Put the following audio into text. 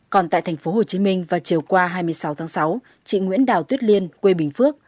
còn tại tp hcm vào chiều qua hai mươi sáu tháng sáu chị nguyễn đào tuyết liên quê bình phước